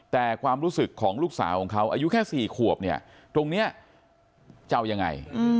แต่ความรู้สึกของลูกสาวของเขาอายุแค่๔ขวบเนี่ยตรงนี้จะเอายังไง